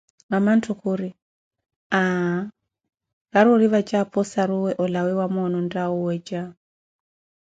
Mamawe khuri: aaah, kari ori vadje aphô ossaruwe olawe wa moone ontha wuwedja